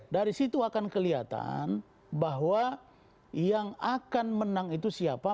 dari situ akan kelihatan bahwa yang akan menang itu siapa